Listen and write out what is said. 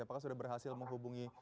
apakah sudah berhasil menghubungi